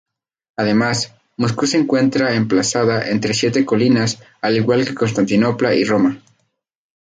Además, Moscú se encuentra emplazada sobre siete colinas, al igual que Constantinopla y Roma.